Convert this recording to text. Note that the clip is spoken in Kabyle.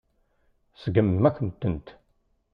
Seggment-akent-tent.